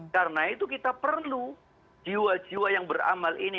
karena itu kita perlu jiwa jiwa yang beramal ini